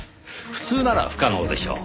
普通なら不可能でしょう。